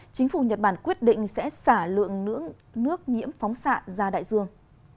chính phủ nhật bản quyết định sẽ xả lượng nước nhiễm phóng xạ ra đại dương